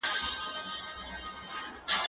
که وخت وي سبزیجات جمع کوم